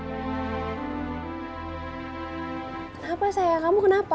kenapa sayang kamu kenapa